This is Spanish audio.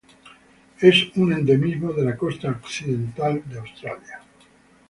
Es un endemismo de la costa occidental de Australia.